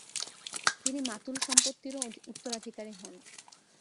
তিনি মাতুল সম্পত্তিরও উত্তরাধিকারী হন।